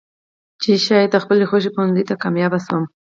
چې شايد د خپلې خوښې پوهنځۍ ته کاميابه شوې يم.